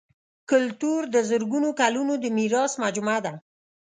کلتور د زرګونو کلونو د میراث مجموعه ده.